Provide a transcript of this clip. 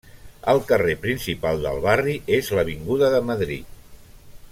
El carrer principal del barri és l'avinguda de Madrid.